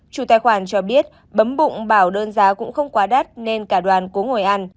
chủ tài khoản cho biết bấm bụng bảo đơn giá cũng không quá đắt nên cả đoàn cố ngồi ăn